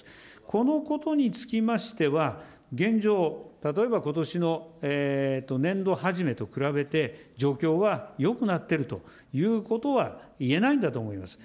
このことにつきましては、現状、例えばことしの年度初めと比べて、状況はよくなっているということは言えないんだと思います。